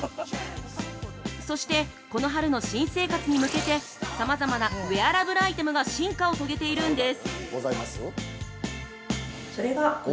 そして、この春の新生活に向けてさまざまなウェアラブルアイテムが進化を遂げているんです。